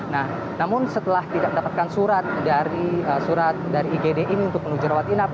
nah namun setelah tidak mendapatkan surat dari igd ini untuk menuju rawat inap